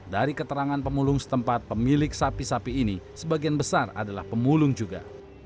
dari keterangan pemulung setempat pemilik sapi sapi ini sebagian besar adalah pemulung juga